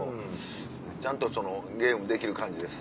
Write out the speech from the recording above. ちゃんとゲームできる感じです。